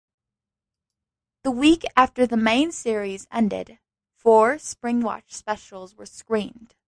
The week after the main series ended, four "Springwatch Specials" were screened.